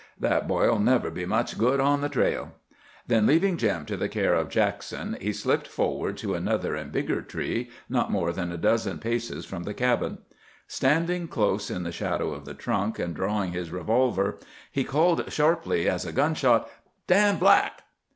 "That boy'll never be much good on the trail." Then, leaving Jim to the care of Jackson, he slipped forward to another and bigger tree not more than a dozen paces from the cabin. Standing close in the shadow of the trunk, and drawing his revolver, he called sharply as a gun shot—"Dan Black."